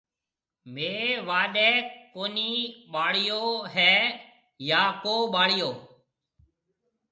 ميه واهڏيَ ڪوني ٻاݪيو هيَ يا ڪو ٻاݪيو۔